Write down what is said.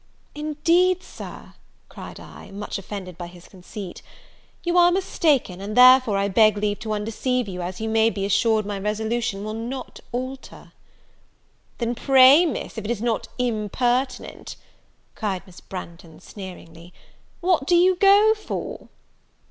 "Indeed, Sir," cried I, much offended by his conceit, "you are mistaken; and therefore I beg leave to undeceive you, as you may be assured my resolution will not alter." "Then, pray, Miss, if it is not impertinent," cried Miss Branghton, sneeringly, "what do you go for?"